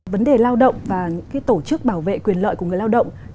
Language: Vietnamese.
vấn đề lao động và những tổ chức bảo vệ quyền lợi của người lao động